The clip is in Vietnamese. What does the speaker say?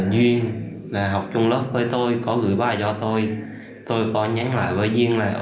duyên là học trong lớp với tôi có gửi bài cho tôi tôi có nhắn lại với duyên là